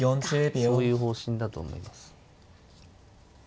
そういう方針だと思います。